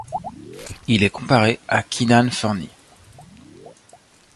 Il est comparé à Kynan Forney.